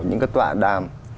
những cái tọa đàm